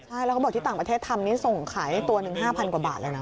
ใช่แล้วเขาบอกที่ต่างประเทศทำนี่ส่งขายตัวหนึ่ง๕๐๐กว่าบาทเลยนะ